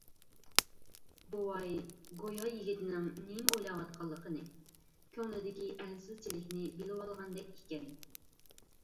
بوۋاي گويا يىگىتنىڭ نېمە ئويلاۋاتقانلىقىنى، كۆڭلىدىكى ئەنسىزچىلىكنى بىلىۋالغاندەك ئىكەن.